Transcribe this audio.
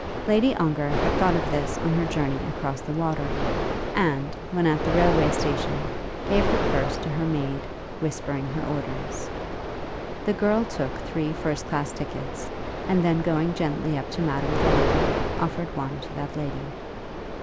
Lady Ongar had thought of this on her journey across the water, and, when at the railway station, gave her purse to her maid, whispering her orders. The girl took three first class tickets, and then going gently up to Madame Gordeloup, offered one to that lady.